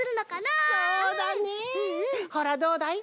ほらどうだい？